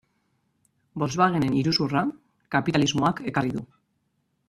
Volkswagenen iruzurra kapitalismoak ekarri du.